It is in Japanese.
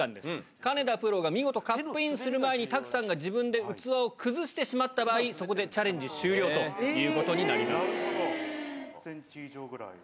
金田プロが見事カップインする前に、拓さんが自分で器を崩してしまった場合、そこでチャレンジ終了ということになります。